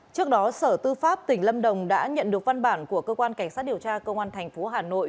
trước đó sở tư pháp tỉnh lâm đồng đã nhận được văn bản của cơ quan cảnh sát điều tra công an tp hà nội